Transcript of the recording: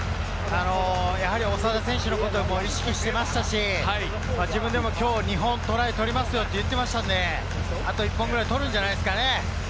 やはり長田選手のことを意識していましたし、自分でも今日２本トライ取りますよって言ってましたんで、あと１本ぐらい取るんじゃないですかね。